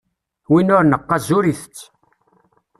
Win ur neqqaz ur itett.